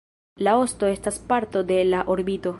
La osto estas parto de la orbito.